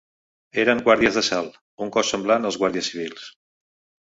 Eren guàrdies d'assalt, un cos semblant als guàrdies civils